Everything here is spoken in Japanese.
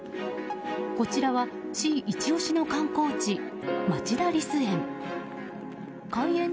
こちらは、市イチ押しの観光地町田リス園。